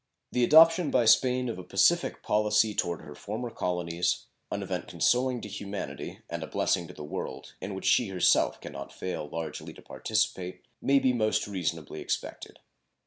The adoption by Spain of a pacific policy toward her former colonies an event consoling to humanity, and a blessing to the world, in which she herself can not fail largely to participate may be most reasonably expected.